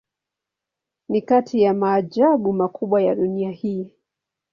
Ni kati ya maajabu makubwa ya dunia hii.